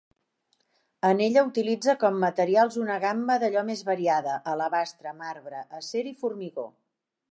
En ella utilitza com materials una gamma d'allò més variada, alabastre, marbre, acer i formigó.